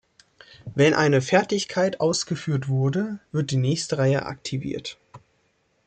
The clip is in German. Wenn eine Fertigkeit ausgeführt wurde, wird die nächste Reihe aktiviert.